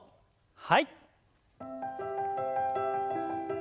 はい。